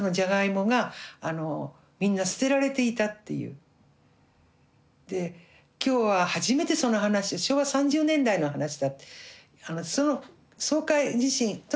とにかく今日は初めてその話昭和３０年代の話だって。